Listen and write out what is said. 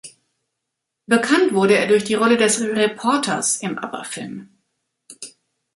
Bekannt wurde er durch die Rolle des "Reporters" im Abba-Film.